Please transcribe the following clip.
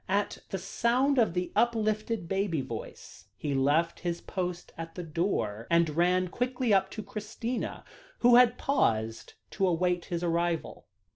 At the sound of the uplifted baby voice, he left his post at the door, and ran quickly up to Christina, who had paused to await his arrival.